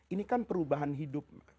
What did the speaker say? ini kan perubahan hidup